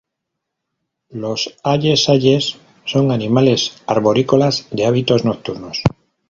Los aye-ayes son animales arborícolas de hábitos nocturnos.